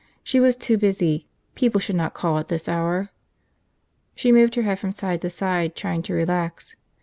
She was too busy. People should not call at this hour. She moved her head from side to side, trying to relax.